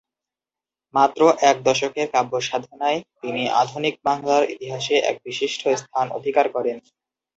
মাত্র এক দশকের কাব্যসাধনায় তিনি আধুনিক বাংলার ইতিহাসে এক বিশিষ্ট স্থান অধিকার করেন।